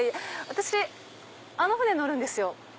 私あの船乗るんですよ。